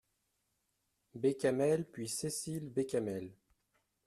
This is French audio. Bécamel ; puis Cécile Bécamel.